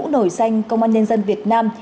nổi danh công an nhân dân việt nam